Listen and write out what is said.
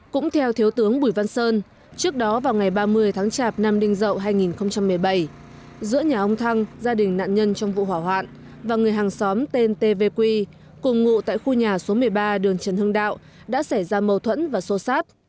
cũng theo thiếu tướng bùi văn sơn trước đó vào ngày ba mươi tháng chạp năm đinh dậu hai nghìn một mươi bảy giữa nhà ông thăng gia đình nạn nhân trong vụ hỏa hoạn và người hàng xóm tên tv cùng ngụ tại khu nhà số một mươi ba đường trần hưng đạo đã xảy ra mâu thuẫn và xô xát